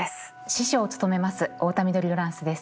司書を務めます太田緑ロランスです。